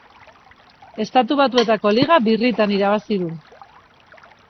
Estatu Batuetako liga birritan irabazi du.